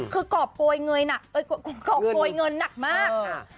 คือกอบโกยเงินหนักมาก